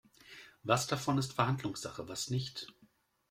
Was davon ist Verhandlungssache, was nicht?